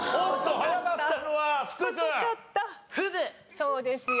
そうですよ。